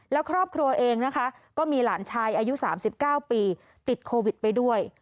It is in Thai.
แล้วครอบครัวเองนะคะก็มีหลานชายอายุ๓๙ปีติดโควิดไปด้วย